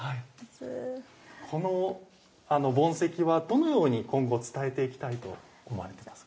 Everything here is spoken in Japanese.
この盆石はどのように今後伝えていきたいと思いますか？